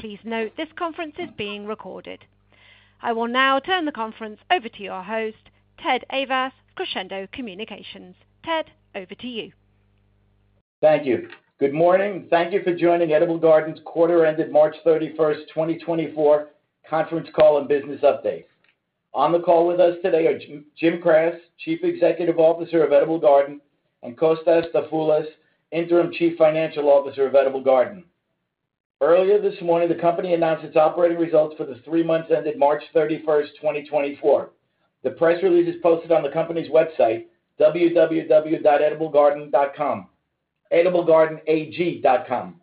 Please note this conference is being recorded. I will now turn the conference over to your host, Ted Ayvas, Crescendo Communications. Ted, over to you. Thank you. Good morning, and thank you for joining Edible Garden's quarter ended March 31, 2024, conference call and business updates. On the call with us today are Jim Kras, Chief Executive Officer of Edible Garden, and Kostas Dafoulas, Interim Chief Financial Officer of Edible Garden. Earlier this morning, the company announced its operating results for the three months ended March 31, 2024. The press release is posted on the company's website, www.ediblegarden.com, ediblegardenag.com.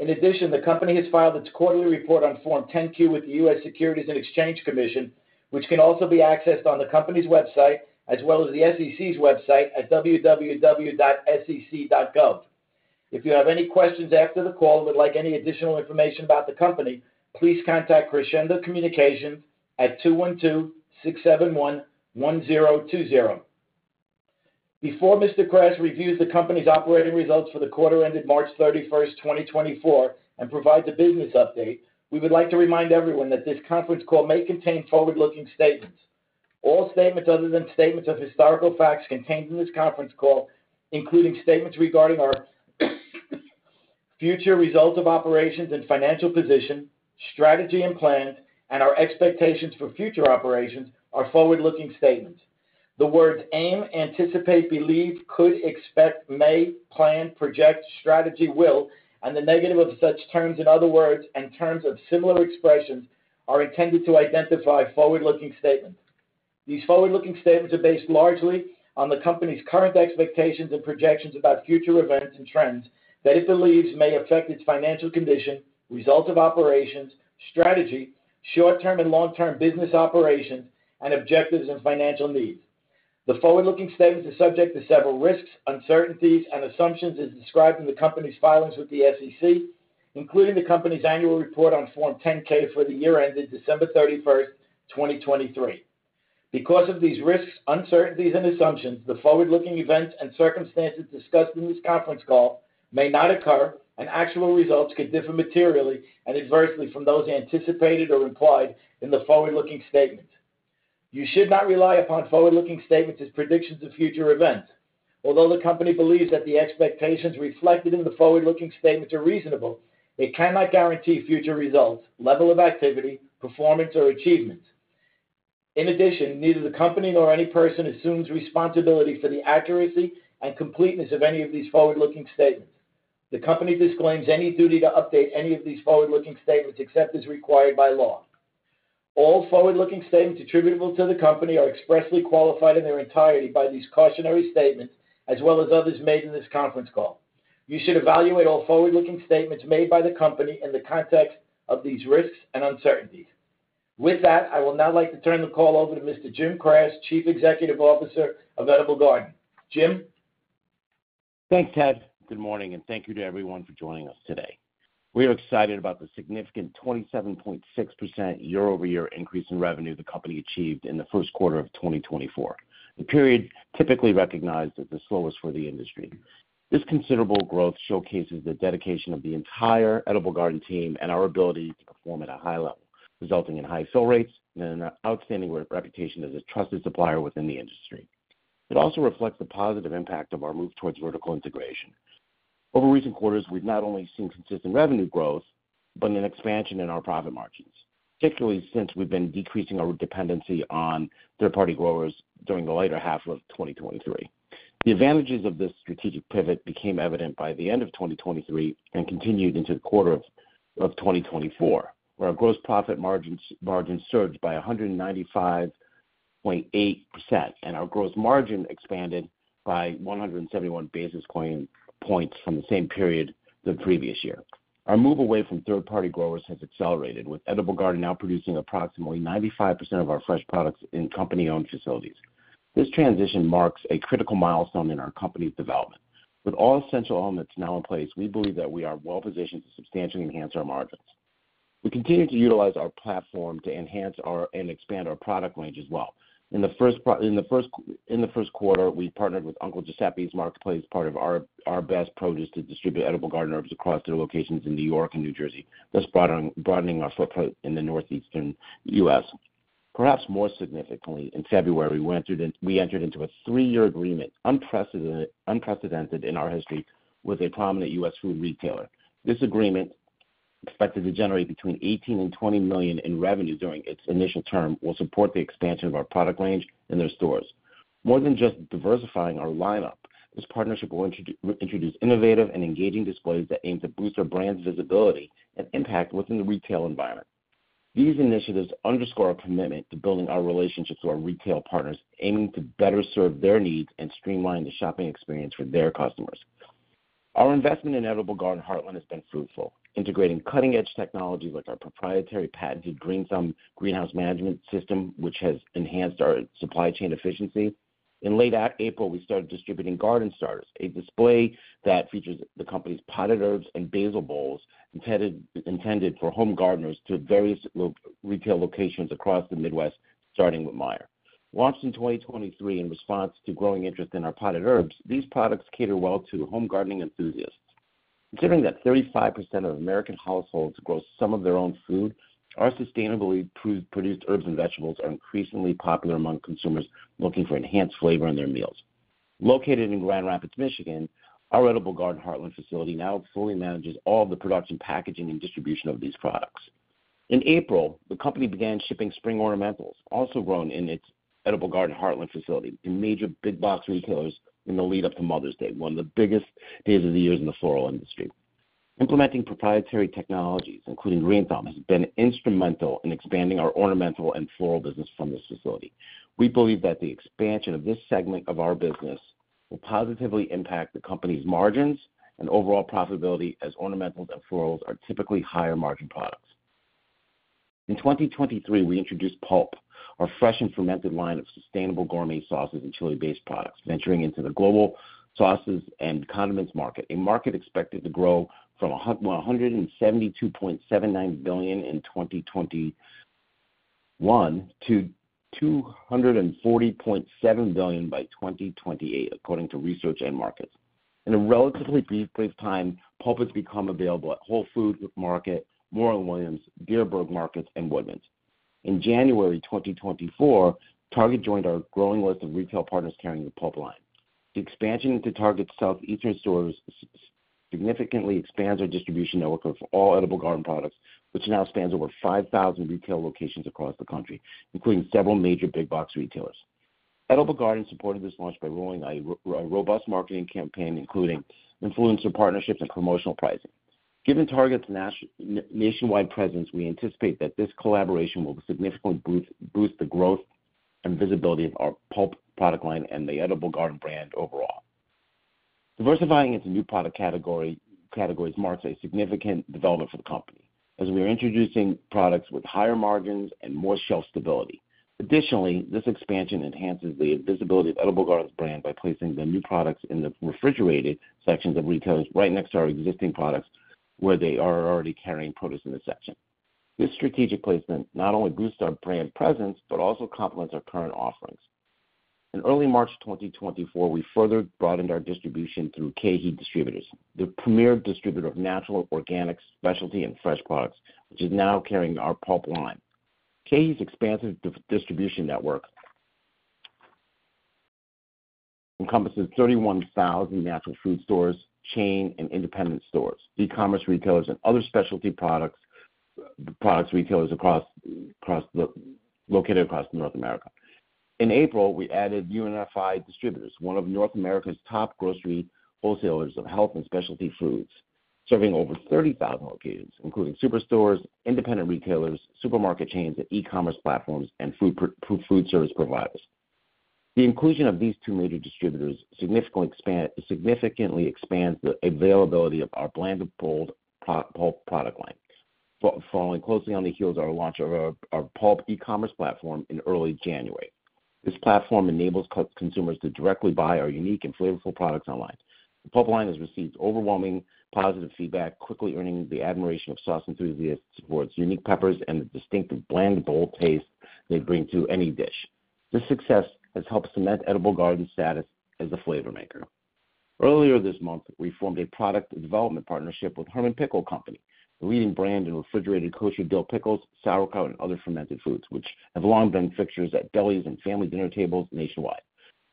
In addition, the company has filed its quarterly report on Form 10-Q with the U.S. Securities and Exchange Commission, which can also be accessed on the company's website as well as the SEC's website at www.sec.gov. If you have any questions after the call and would like any additional information about the company, please contact Crescendo Communications at 212-671-1020. Before Mr. Kras reviews the company's operating results for the quarter-ended March 31, 2024, and provides a business update. We would like to remind everyone that this conference call may contain forward-looking statements. All statements other than statements of historical facts contained in this conference call, including statements regarding our future results of operations and financial position, strategy and plans, and our expectations for future operations, are forward-looking statements. The words aim, anticipate, believe, could, expect, may, plan, project, strategy, will, and the negative of such terms in other words and terms of similar expressions are intended to identify forward-looking statements. These forward-looking statements are based largely on the company's current expectations and projections about future events and trends that it believes may affect its financial condition, results of operations, strategy, short-term and long-term business operations, and objectives and financial needs. The forward-looking statements are subject to several risks, uncertainties, and assumptions as described in the company's filings with the SEC, including the company's annual report on Form 10-K for the year ended December 31, 2023. Because of these risks, uncertainties, and assumptions, the forward-looking events and circumstances discussed in this conference call may not occur, and actual results could differ materially and adversely from those anticipated or implied in the forward-looking statements. You should not rely upon forward-looking statements as predictions of future events. Although the company believes that the expectations reflected in the forward-looking statements are reasonable, it cannot guarantee future results, level of activity, performance, or achievements. In addition, neither the company nor any person assumes responsibility for the accuracy and completeness of any of these forward-looking statements. The company disclaims any duty to update any of these forward-looking statements except as required by law. All forward-looking statements attributable to the company are expressly qualified in their entirety by these cautionary statements as well as others made in this conference call. You should evaluate all forward-looking statements made by the company in the context of these risks and uncertainties. With that, I will now like to turn the call over to Mr. Jim Kras, Chief Executive Officer of Edible Garden. Jim? Thanks, Ted. Good morning, and thank you to everyone for joining us today. We are excited about the significant 27.6% year-over-year increase in revenue the company achieved in the first quarter of 2024, a period typically recognized as the slowest for the industry. This considerable growth showcases the dedication of the entire Edible Garden team and our ability to perform at a high level, resulting in high fill rates and an outstanding reputation as a trusted supplier within the industry. It also reflects the positive impact of our move towards vertical integration. Over recent quarters, we've not only seen consistent revenue growth but an expansion in our profit margins, particularly since we've been decreasing our dependency on third-party growers during the later half of 2023. The advantages of this strategic pivot became evident by the end of 2023 and continued into the quarter of 2024, where our gross profit margins surged by 195.8% and our gross margin expanded by 171 basis points from the same period the previous year. Our move away from third-party growers has accelerated, with Edible Garden now producing approximately 95% of our fresh products in company-owned facilities. This transition marks a critical milestone in our company's development. With all essential elements now in place, we believe that we are well positioned to substantially enhance our margins. We continue to utilize our platform to enhance and expand our product range as well. In the first quarter, we partnered with Uncle Giuseppe's Marketplace, part of our best produce to distribute Edible Garden herbs across their locations in New York and New Jersey, thus broadening our footprint in the northeastern U.S. Perhaps more significantly, in February, we entered into a three-year agreement unprecedented in our history with a prominent U.S. food retailer. This agreement, expected to generate between $18 million and $20 million in revenue during its initial term, will support the expansion of our product range in their stores. More than just diversifying our lineup, this partnership will introduce innovative and engaging displays that aim to boost our brand's visibility and impact within the retail environment. These initiatives underscore our commitment to building our relationships with our retail partners, aiming to better serve their needs and streamline the shopping experience for their customers. Our investment in Edible Garden Heartland has been fruitful, integrating cutting-edge technologies like our proprietary patented GreenThumb greenhouse management system, which has enhanced our supply chain efficiency. In late April, we started distributing Garden Starters, a display that features the company's potted herbs and basil bowls intended for home gardeners to various retail locations across the Midwest, starting with Meijer. Launched in 2023 in response to growing interest in our potted herbs, these products cater well to home gardening enthusiasts. Considering that 35% of American households grow some of their own food, our sustainably produced herbs and vegetables are increasingly popular among consumers looking for enhanced flavor in their meals. Located in Grand Rapids, Michigan, our Edible Garden Heartland facility now fully manages all of the production, packaging, and distribution of these products. In April, the company began shipping spring ornamentals, also grown in its Edible Garden Heartland facility, to major big-box retailers in the lead-up to Mother's Day, one of the biggest days of the year in the floral industry. Implementing proprietary technologies, including GreenThumb, has been instrumental in expanding our ornamental and floral business from this facility. We believe that the expansion of this segment of our business will positively impact the company's margins and overall profitability as ornamentals and florals are typically higher-margin products. In 2023, we introduced Pulp, our fresh and fermented line of sustainable gourmet sauces and chili-based products, venturing into the global sauces and condiments market, a market expected to grow from $172.79 billion in 2021 to $240.7 billion by 2028, according to Research and Markets. In a relatively brief time, Pulp has become available at Whole Foods Market, Morton Williams, Dierbergs Markets, and Woodman's Markets. In January 2024, Target joined our growing list of retail partners carrying the Pulp line. The expansion into Target's southeastern stores significantly expands our distribution network of all Edible Garden products, which now spans over 5,000 retail locations across the country, including several major big-box retailers. Edible Garden supported this launch by rolling a robust marketing campaign, including influencer partnerships and promotional pricing. Given Target's nationwide presence, we anticipate that this collaboration will significantly boost the growth and visibility of our Pulp product line and the Edible Garden brand overall. Diversifying into new product categories marks a significant development for the company, as we are introducing products with higher margins and more shelf stability. Additionally, this expansion enhances the visibility of Edible Garden's brand by placing the new products in the refrigerated sections of retailers right next to our existing products where they are already carrying produce in the section. This strategic placement not only boosts our brand presence but also complements our current offerings. In early March 2024, we further broadened our distribution through KeHE Distributors, the premier distributor of natural organic specialty and fresh products, which is now carrying our Pulp line. KeHE's expansive distribution network encompasses 31,000 natural food stores, chain and independent stores, e-commerce retailers, and other specialty products retailers located across North America. In April, we added UNFI Distributors, one of North America's top grocery wholesalers of health and specialty foods, serving over 30,000 locations, including superstores, independent retailers, supermarket chains, and e-commerce platforms, and food service providers. The inclusion of these two major distributors significantly expands the availability of our blended full Pulp product line, following closely on the heels of our launch of our Pulp e-commerce platform in early January. This platform enables consumers to directly buy our unique and flavorful products online. The Pulp line has received overwhelming positive feedback, quickly earning the admiration of sauce enthusiasts for its unique peppers and the distinctive blended bold taste they bring to any dish. This success has helped cement Edible Garden's status as a flavor maker. Earlier this month, we formed a product development partnership with Hermann Pickle Company, the leading brand in refrigerated kosher dill pickles, sauerkraut, and other fermented foods, which have long been fixtures at delis and family dinner tables nationwide.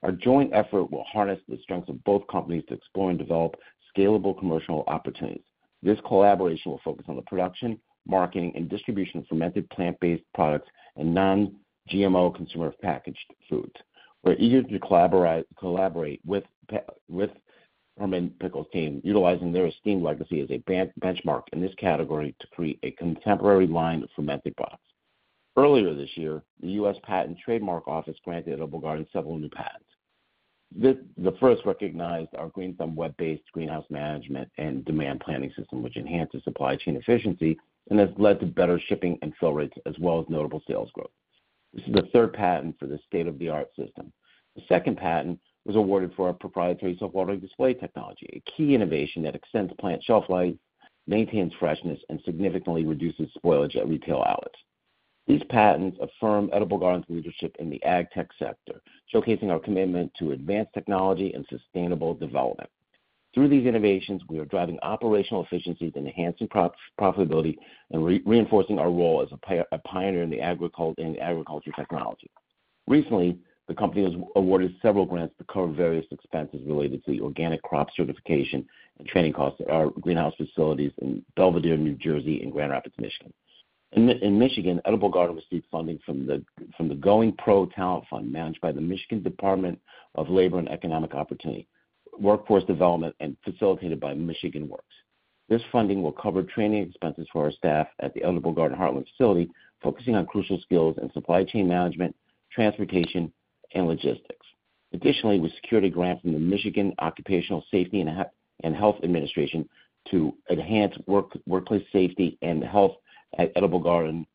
Our joint effort will harness the strengths of both companies to explore and develop scalable commercial opportunities. This collaboration will focus on the production, marketing, and distribution of fermented plant-based products and non-GMO consumer packaged foods. We're eager to collaborate with Hermann Pickle's team, utilizing their esteemed legacy as a benchmark in this category to create a contemporary line of fermented products. Earlier this year, the U.S. Patent and Trademark Office granted Edible Garden several new patents. The first recognized our GreenThumb web-based greenhouse management and demand planning system, which enhances supply chain efficiency and has led to better shipping and fill rates as well as notable sales growth. This is the third patent for this state-of-the-art system. The second patent was awarded for our proprietary self-watering display technology, a key innovation that extends plant shelf life, maintains freshness, and significantly reduces spoilage at retail outlets. These patents affirm Edible Garden's leadership in the ag-tech sector, showcasing our commitment to advanced technology and sustainable development. Through these innovations, we are driving operational efficiencies, enhancing profitability, and reinforcing our role as a pioneer in agriculture technology. Recently, the company has awarded several grants to cover various expenses related to the organic crop certification and training costs at our greenhouse facilities in Belvidere, New Jersey, and Grand Rapids, Michigan. In Michigan, Edible Garden received funding from the Going PRO Talent Fund managed by the Michigan Department of Labor and Economic Opportunity, workforce development, and facilitated by Michigan Works. This funding will cover training expenses for our staff at the Edible Garden Heartland facility, focusing on crucial skills in supply chain management, transportation, and logistics. Additionally, we secured a grant from the Michigan Occupational Safety and Health Administration to enhance workplace safety and health at Edible Garden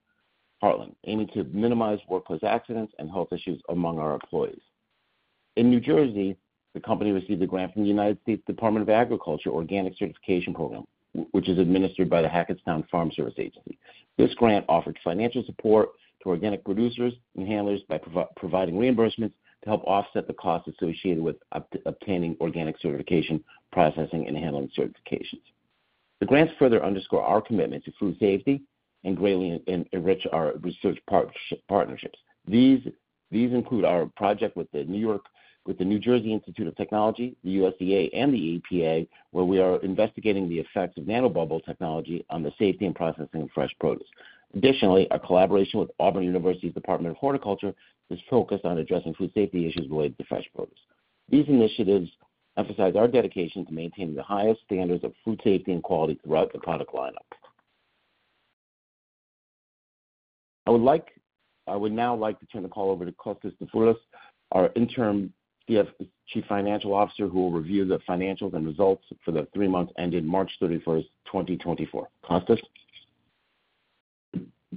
Heartland, aiming to minimize workplace accidents and health issues among our employees. In New Jersey, the company received a grant from the United States Department of Agriculture Organic Certification Program, which is administered by the Hackettstown Farm Service Agency. This grant offered financial support to organic producers and handlers by providing reimbursements to help offset the costs associated with obtaining organic certification, processing, and handling certifications. The grants further underscore our commitment to food safety and greatly enrich our research partnerships. These include our project with the New Jersey Institute of Technology, the USDA, and the EPA, where we are investigating the effects of nanobubble technology on the safety and processing of fresh produce. Additionally, our collaboration with Auburn University's Department of Horticulture is focused on addressing food safety issues related to fresh produce. These initiatives emphasize our dedication to maintaining the highest standards of food safety and quality throughout the product lineup. I would now like to turn the call over to Kostas Dafoulas, our Interim Chief Financial Officer, who will review the financials and results for the three months ending March 31st, 2024. Kostas?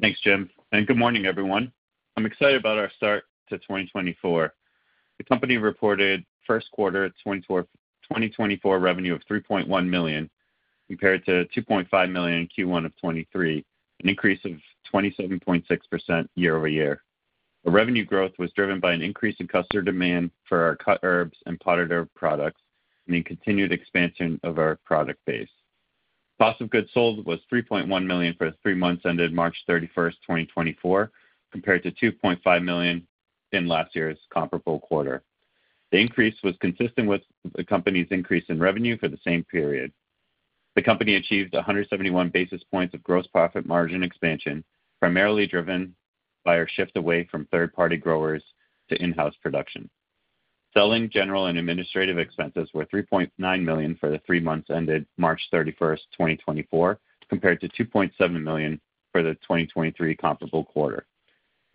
Thanks, Jim. Good morning, everyone. I'm excited about our start to 2024. The company reported first quarter 2024 revenue of $3.1 million compared to $2.5 million Q1 of 2023, an increase of 27.6% year-over-year. The revenue growth was driven by an increase in customer demand for our cut herbs and potted herb products and the continued expansion of our product base. Cost of goods sold was $3.1 million for the three months ending March 31st, 2024, compared to $2.5 million in last year's comparable quarter. The increase was consistent with the company's increase in revenue for the same period. The company achieved 171 basis points of gross profit margin expansion, primarily driven by our shift away from third-party growers to in-house production. Selling, general, and administrative expenses were $3.9 million for the three months ending March 31st, 2024, compared to $2.7 million for the 2023 comparable quarter.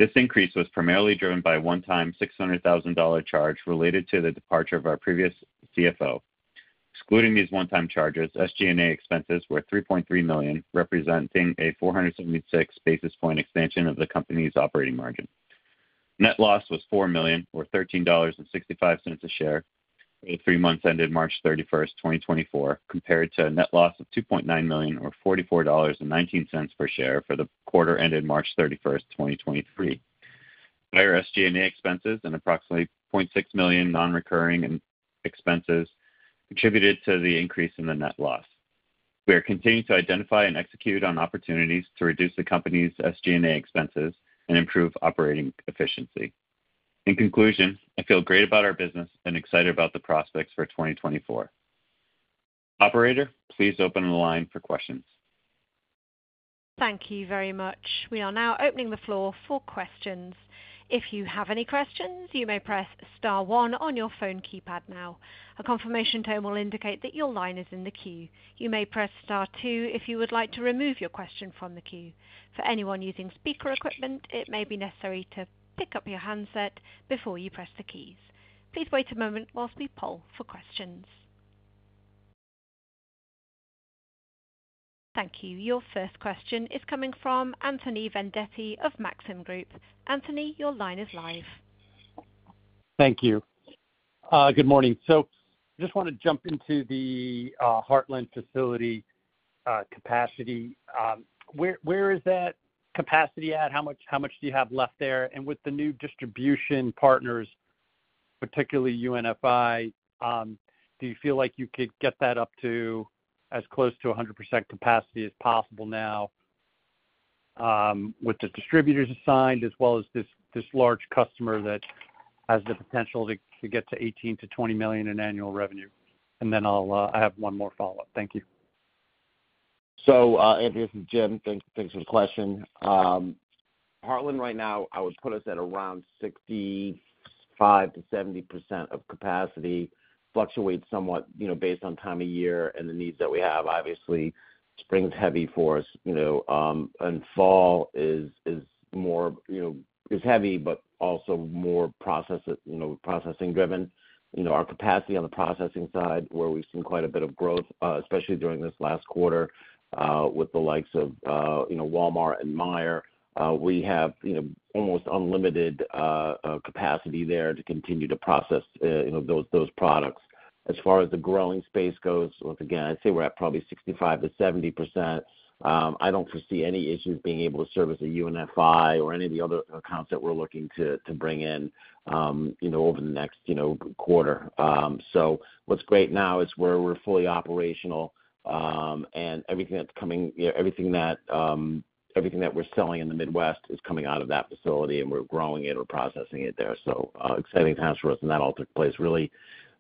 This increase was primarily driven by a one-time $600,000 charge related to the departure of our previous CFO. Excluding these one-time charges, SG&A expenses were $3.3 million, representing a 476 basis point expansion of the company's operating margin. Net loss was $4 million, or $13.65 a share for the three months ending March 31st, 2024, compared to a net loss of $2.9 million, or $44.19 per share for the quarter ending March 31st, 2023. Higher SG&A expenses and approximately $0.6 million non-recurring expenses contributed to the increase in the net loss. We are continuing to identify and execute on opportunities to reduce the company's SG&A expenses and improve operating efficiency. In conclusion, I feel great about our business and excited about the prospects for 2024. Operator, please open the line for questions. Thank you very much. We are now opening the floor for questions. If you have any questions, you may press star 1 on your phone keypad now. A confirmation tone will indicate that your line is in the queue. You may press star 2 if you would like to remove your question from the queue. For anyone using speaker equipment, it may be necessary to pick up your handset before you press the keys. Please wait a moment while we poll for questions. Thank you. Your first question is coming from Anthony Vendetti of Maxim Group. Anthony, your line is live. Thank you. Good morning. So I just want to jump into the Heartland facility capacity. Where is that capacity at? How much do you have left there? And with the new distribution partners, particularly UNFI, do you feel like you could get that up to as close to 100% capacity as possible now with the distributors assigned as well as this large customer that has the potential to get to $18 million-$20 million in annual revenue? And then I have one more follow-up. Thank you. So, Anthony, this is Jim. Thanks for the question. Heartland right now, I would put us at around 65%-70% of capacity, fluctuates somewhat based on time of year and the needs that we have. Obviously, spring's heavy for us, and fall is more heavy but also more processing-driven. Our capacity on the processing side, where we've seen quite a bit of growth, especially during this last quarter with the likes of Walmart and Meijer, we have almost unlimited capacity there to continue to process those products. As far as the growing space goes, once again, I'd say we're at probably 65%-70%. I don't foresee any issues being able to service a UNFI or any of the other accounts that we're looking to bring in over the next quarter. So what's great now is where we're fully operational, and everything that we're selling in the Midwest is coming out of that facility, and we're growing it or processing it there. So exciting times for us. And that all took place really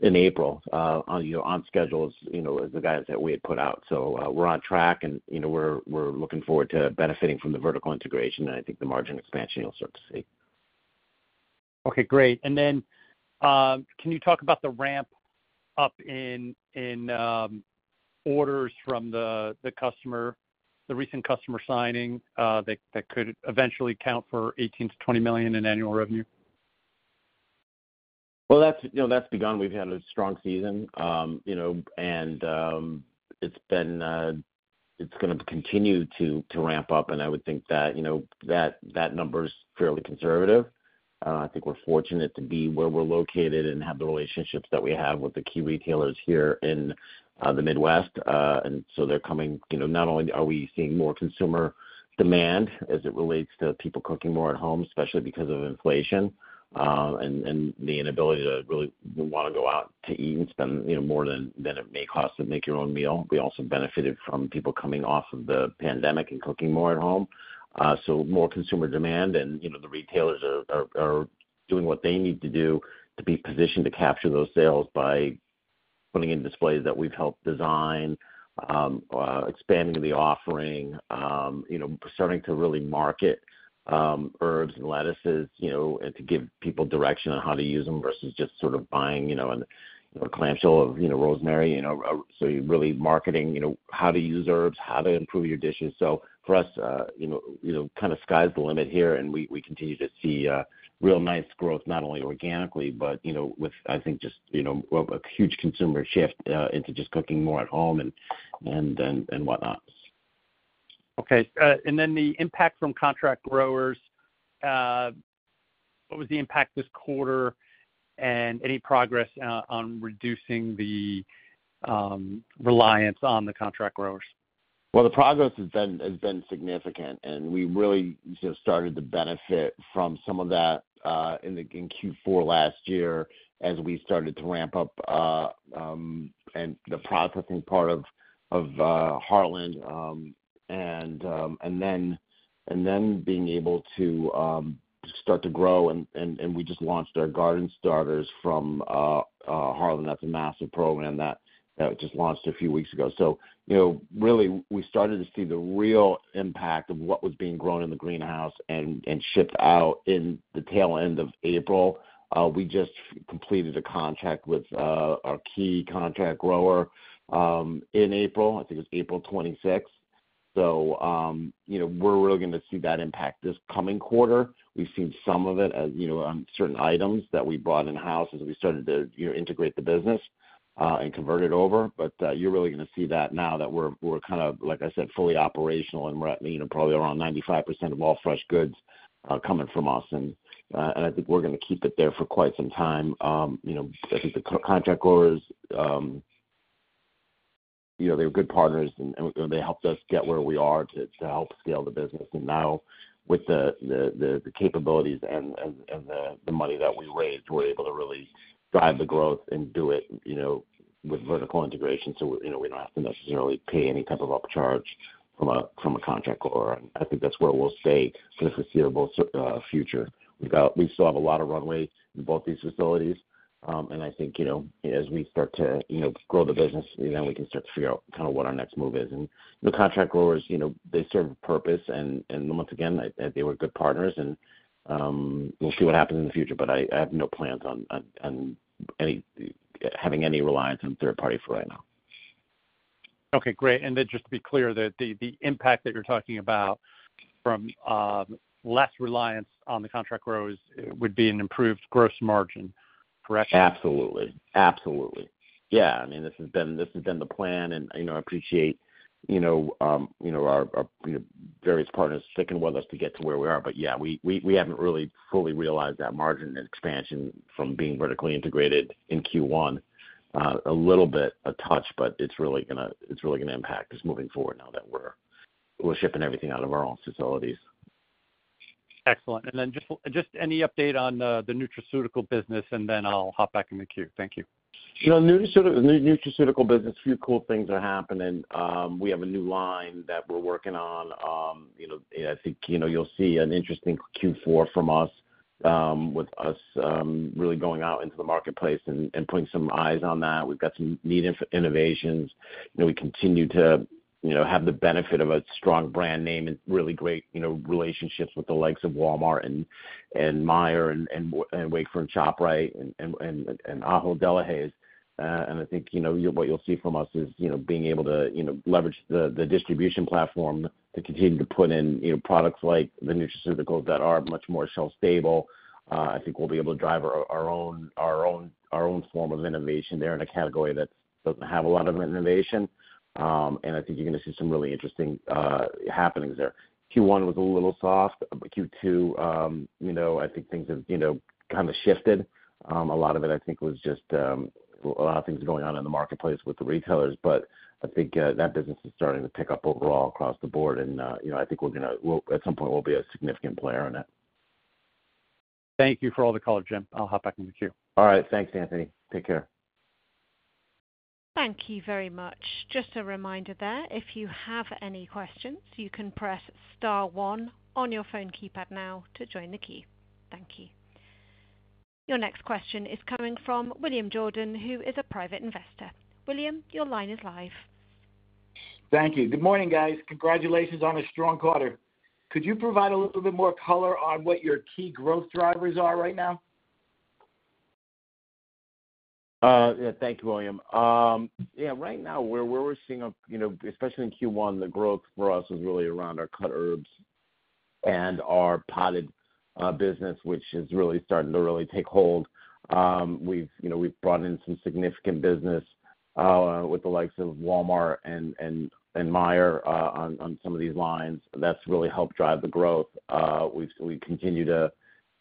in April on schedule as the guys that we had put out. So we're on track, and we're looking forward to benefiting from the vertical integration, and I think the margin expansion you'll start to see. Okay. Great. And then can you talk about the ramp up in orders from the customer, the recent customer signing that could eventually count for $18 million-$20 million in annual revenue? Well, that's begun. We've had a strong season, and it's going to continue to ramp up. I would think that number is fairly conservative. I think we're fortunate to be where we're located and have the relationships that we have with the key retailers here in the Midwest. So, they're coming. Not only are we seeing more consumer demand as it relates to people cooking more at home, especially because of inflation and the inability to really want to go out to eat and spend more than it may cost to make your own meal. We also benefited from people coming off of the pandemic and cooking more at home. So more consumer demand, and the retailers are doing what they need to do to be positioned to capture those sales by putting in displays that we've helped design, expanding the offering, starting to really market herbs and lettuces and to give people direction on how to use them versus just sort of buying a clamshell of rosemary. So really marketing how to use herbs, how to improve your dishes. So for us, kind of sky's the limit here, and we continue to see real nice growth not only organically but with, I think, just a huge consumer shift into just cooking more at home and whatnot. Okay. And then the impact from contract growers, what was the impact this quarter and any progress on reducing the reliance on the contract growers? Well, the progress has been significant, and we really started to benefit from some of that in Q4 last year as we started to ramp up and the processing part of Heartland and then being able to start to grow. We just launched our Garden Starters from Heartland. That's a massive program that just launched a few weeks ago. So really, we started to see the real impact of what was being grown in the greenhouse and shipped out in the tail end of April. We just completed a contract with our key contract grower in April. I think it was April 26th. So we're really going to see that impact this coming quarter. We've seen some of it on certain items that we brought in-house as we started to integrate the business and convert it over. You're really going to see that now that we're kind of, like I said, fully operational, and we're at probably around 95% of all fresh goods coming from us. I think we're going to keep it there for quite some time. I think the contract growers, they were good partners, and they helped us get where we are to help scale the business. Now, with the capabilities and the money that we raised, we're able to really drive the growth and do it with vertical integration so we don't have to necessarily pay any type of upcharge from a contract grower. I think that's where we'll stay for the foreseeable future. We still have a lot of runway in both these facilities. I think as we start to grow the business, then we can start to figure out kind of what our next move is. The contract growers, they serve a purpose. Once again, they were good partners. We'll see what happens in the future, but I have no plans on having any reliance on third parties for right now. Okay. Great. And then just to be clear, the impact that you're talking about from less reliance on the contract growers would be an improved gross margin, correct? Absolutely. Absolutely. Yeah. I mean, this has been the plan, and I appreciate our various partners sticking with us to get to where we are. But yeah, we haven't really fully realized that margin and expansion from being vertically integrated in Q1. A little bit a touch, but it's really going to impact us moving forward now that we're shipping everything out of our own facilities. Excellent. And then just any update on the nutraceutical business, and then I'll hop back in the queue. Thank you. Nutraceutical business, a few cool things are happening. We have a new line that we're working on. I think you'll see an interesting Q4 from us with us really going out into the marketplace and putting some eyes on that. We've got some neat innovations. We continue to have the benefit of a strong brand name and really great relationships with the likes of Walmart and Meijer and Wakefern ShopRite and Ahold Delhaize. And I think what you'll see from us is being able to leverage the distribution platform to continue to put in products like the nutraceuticals that are much more shelf-stable. I think we'll be able to drive our own form of innovation there in a category that doesn't have a lot of innovation. And I think you're going to see some really interesting happenings there. Q1 was a little soft, but Q2, I think things have kind of shifted. A lot of it, I think, was just a lot of things going on in the marketplace with the retailers. But I think that business is starting to pick up overall across the board, and I think we're going to at some point, we'll be a significant player in it. Thank you for all the call, Jim. I'll hop back in the queue. All right. Thanks, Anthony. Take care. Thank you very much. Just a reminder there, if you have any questions, you can press star 1 on your phone keypad now to join the queue. Thank you. Your next question is coming from William Jordan, who is a private investor. William, your line is live. Thank you. Good morning, guys. Congratulations on a strong quarter. Could you provide a little bit more color on what your key growth drivers are right now? Yeah. Thank you, William. Yeah. Right now, where we're seeing, especially in Q1, the growth for us is really around our cut herbs and our potted business, which is really starting to really take hold. We've brought in some significant business with the likes of Walmart and Meijer on some of these lines. That's really helped drive the growth. We continue to,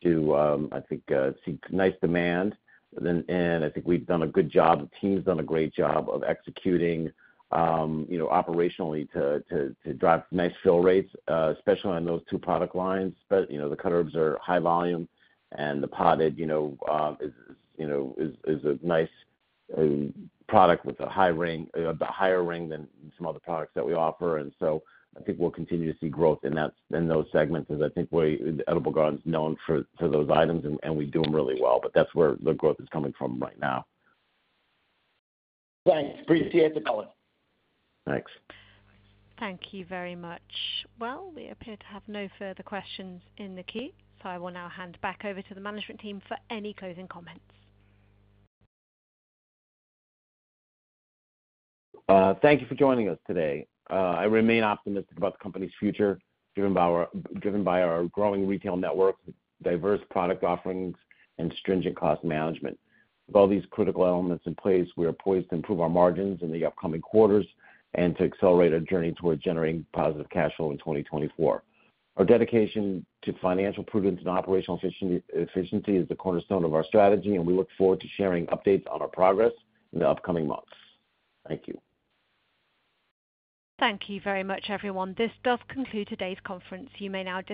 I think, see nice demand. And I think we've done a good job. The team's done a great job of executing operationally to drive nice fill rates, especially on those two product lines. But the cut herbs are high volume, and the potted is a nice product with a higher ring than some other products that we offer. And so I think we'll continue to see growth in those segments because I think Edible Garden is known for those items, and we do them really well. But that's where the growth is coming from right now. Thanks. Appreciate the calling. Thanks. Thank you very much. Well, we appear to have no further questions in the queue, so I will now hand back over to the management team for any closing comments. Thank you for joining us today. I remain optimistic about the company's future driven by our growing retail network, diverse product offerings, and stringent cost management. With all these critical elements in place, we are poised to improve our margins in the upcoming quarters and to accelerate our journey towards generating positive cash flow in 2024. Our dedication to financial prudence and operational efficiency is the cornerstone of our strategy, and we look forward to sharing updates on our progress in the upcoming months. Thank you. Thank you very much, everyone. This does conclude today's conference. You may now disconnect.